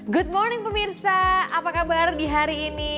good morning pemirsa apa kabar di hari ini